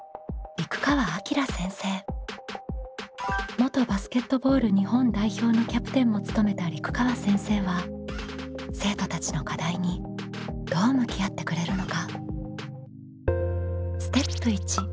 元バスケットボール日本代表のキャプテンも務めた陸川先生は生徒たちの課題にどう向き合ってくれるのか？